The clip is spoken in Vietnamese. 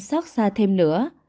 xót xa thêm nữa